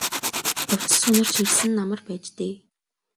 Хувцас хунар чирсэн нь амар байж дээ.